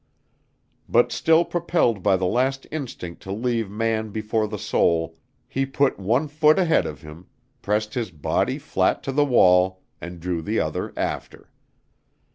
But still propelled by the last instinct to leave man before the soul, he put one foot ahead of him, pressed his body flat to the wall, and drew the other after.